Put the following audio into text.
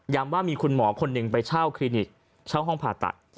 ว่ามีคุณหมอคนหนึ่งไปเช่าคลินิกเช่าห้องผ่าตัด